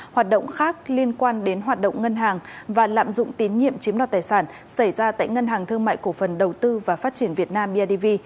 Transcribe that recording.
hoạt động khác liên quan đến hoạt động ngân hàng và lạm dụng tín nhiệm chiếm đoạt tài sản xảy ra tại ngân hàng thương mại cổ phần đầu tư và phát triển việt nam bidv